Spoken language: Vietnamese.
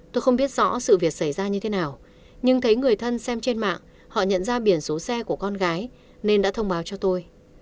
tôi không biết rõ sự việc xảy ra như thế nào nhưng thấy người thân xem trên mạng họ nhận ra biển số xe của con gái nên đã thông báo cho tôi